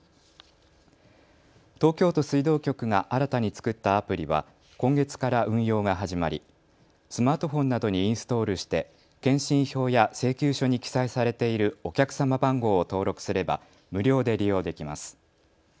東京都水道局が新たに作ったアプリは今月から運用が始まりスマートフォンなどにインストールして検針票や請求書に記載されているお客様番号を登録すれば無料で利用できます。